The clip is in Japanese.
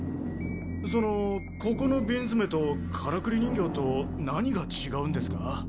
そのここの瓶詰とからくり人形と何が違うんですか？